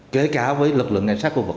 kể cả với lực lượng